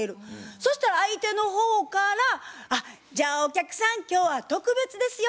そしたら相手の方から「じゃあお客さん今日は特別ですよ